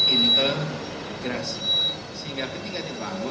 integrasi sehingga ketika dibangun